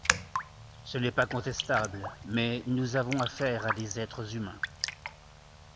Ce n’est pas contestable, mais nous avons affaire à des êtres humains.